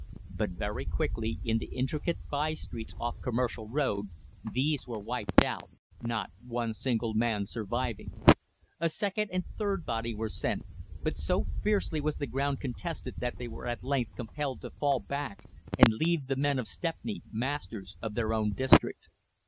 But very quickly, in the intricate by streets off Commercial Road, these were wiped out, not one single man surviving. A second and third body were sent, but so fiercely was the ground contested that they were at length compelled to fall back and leave the men of Stepney masters of their own district.